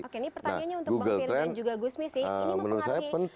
oke ini pertanyaannya untuk mbak ferry dan juga gusmi sih